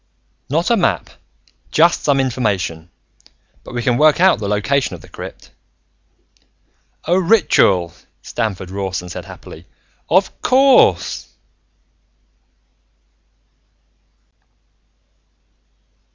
"Not a map, just some information. But we can work out the location of the crypt." "A ritual," Stamford Rawson said happily. "Of course!"